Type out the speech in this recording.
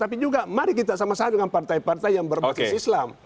tapi juga mari kita sama sama dengan partai partai yang berbasis islam